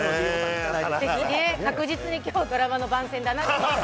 確実にきょう、ドラマの番宣だなって。